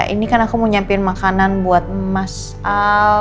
ini kan aku mau nyampiin makanan buat masal